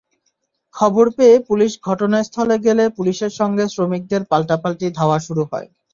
খবর পেয়ে পুলিশ ঘটনাস্থলে গেলে পুলিশের সঙ্গে শ্রমিকদের পাল্টাপাল্টি ধাওয়া শুরু হয়।